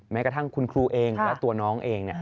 แม้กระทั่งคุณครูเองและตัวน้องเอง